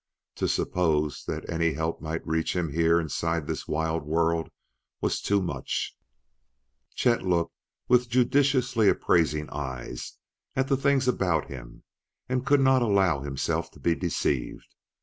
To suppose that any help might reach him here inside this wild world was too much; Chet looked with judicially appraising eyes at the things about him and could not allow himself to be deceived.